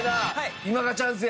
今がチャンスや！